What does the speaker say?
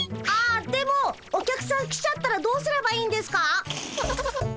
ああでもお客さん来ちゃったらどうすればいいんですか？